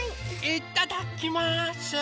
いっただっきます！